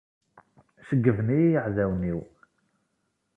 Ceyyben-iyi yiɛdawen-iw.